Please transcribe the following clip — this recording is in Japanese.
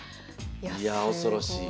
いやあ恐ろしい。